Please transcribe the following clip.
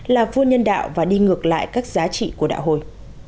là vua nhân đạo và đi ngược lại các giá trị của đạo hồi